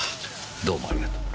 どうもありがとう。